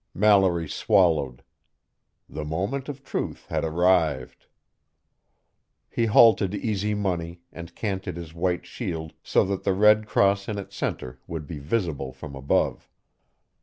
Mallory swallowed: the moment of truth had arrived. He halted Easy Money and canted his white shield so that the red cross in its center would be visible from above.